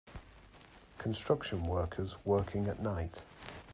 Construction workers working at night.